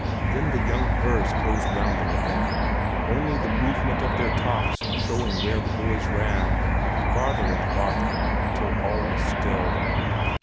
Then the young firs closed round them again, only the movement of their tops showing where the boys ran, farther and farther, until all was still.